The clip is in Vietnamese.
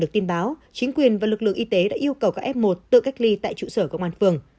tin báo chính quyền và lực lượng y tế đã yêu cầu các f một tự cách ly tại trụ sở công an phường